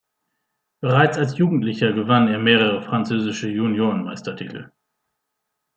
Bereits als Jugendlicher gewann er mehrere französische Juniorenmeistertitel.